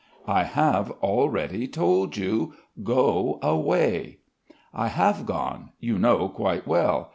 "I have already told you. Go away." "I have gone. You know quite well.